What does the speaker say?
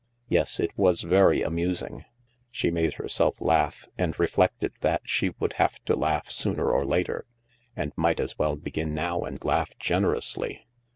Yes, it was very amusing." She made herself laugh, and reflected that she would have to laugh sooner or later, and might as well begin now and laugh generously.